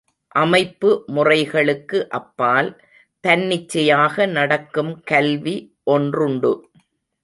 அமைப்பு முறைகளுக்கு அப்பால், தன்னிச்சையாக நடக்கும் கல்வி ஒன்றுண்டு.